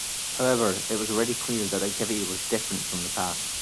However, it was already clear that the activity was different from the past.